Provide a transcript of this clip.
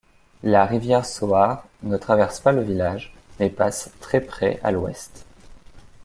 La rivière Soar ne traverse pas le village, mais passe très près à l'ouest.